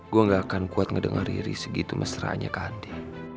gue gak akan kuat ngedengar riri segitu mesranya ke adik